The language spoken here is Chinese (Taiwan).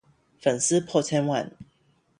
粉絲破千萬